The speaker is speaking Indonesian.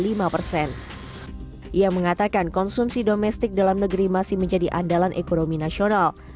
ia mengatakan konsumsi domestik dalam negeri masih menjadi andalan ekonomi nasional